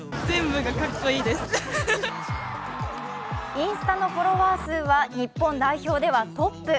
インスタのフォロワー数は日本代表ではトップ。